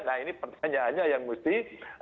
nah ini pertanyaannya yang mesti